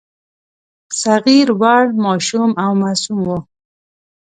صغیر وړ، ماشوم او معصوم وو.